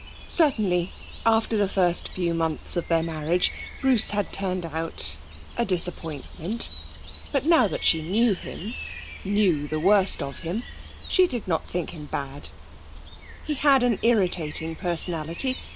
Certainly, after the first few months of their marriage, Bruce had turned out a disappointment. But now that she knew him, knew the worst of him, she did not think bad. He had an irritating personality.